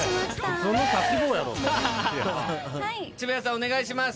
お願いします。